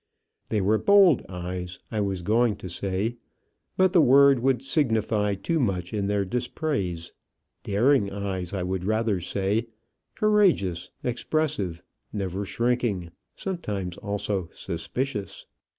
They were bold eyes, I was going to say, but the word would signify too much in their dispraise; daring eyes, I would rather say, courageous, expressive, never shrinking, sometimes also suspicious.